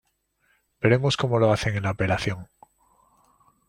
Veremos cómo lo hacen en la apelación.